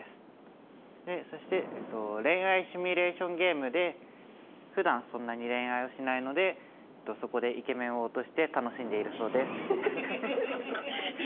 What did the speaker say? でそして恋愛シミュレーションゲームでふだんそんなに恋愛をしないのでそこでイケメンを落として楽しんでいるそうです。